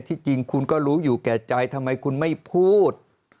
จริงคุณก็รู้อยู่แก่ใจทำไมคุณไม่พูด